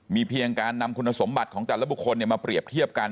มีเพียงการนำคุณสมบัติของแต่ละบุคคลมาเปรียบเทียบกัน